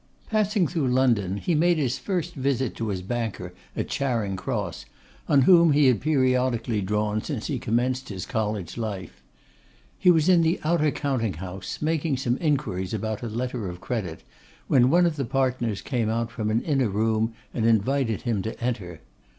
Passing through London, he made his first visit to his banker at Charing Cross, on whom he had periodically drawn since he commenced his college life. He was in the outer counting house, making some inquiries about a letter of credit, when one of the partners came out from an inner room, and invited him to enter.